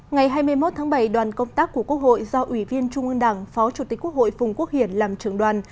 ngày hai mươi một tháng bảy đoàn công tác của quốc hội do ủy viên trung ương đảng phó chủ tịch quốc hội phùng quốc hiển làm trưởng đoàn